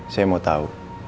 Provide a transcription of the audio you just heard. saya mau tahu